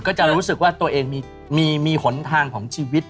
จะรู้สึกว่าตัวเองมีหนทางของชีวิต